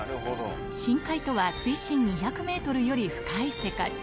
深海とは水深２００メートルより深い世界。